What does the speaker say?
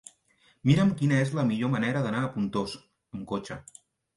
Mira'm quina és la millor manera d'anar a Pontós amb cotxe.